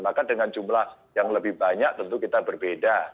maka dengan jumlah yang lebih banyak tentu kita berbeda